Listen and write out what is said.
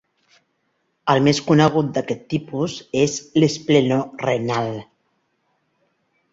El més conegut d'aquest tipus és l'esplenorrenal.